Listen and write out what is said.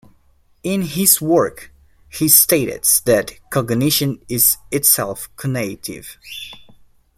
In his work, he states that cognition is itself conative.